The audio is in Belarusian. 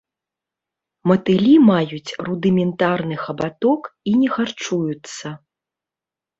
Матылі маюць рудыментарны хабаток і не харчуюцца.